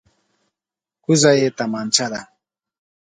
کوزه یې تمانچه ده.